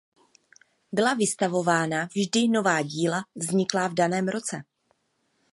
Byla vystavována vždy nová díla vzniklá v daném roce.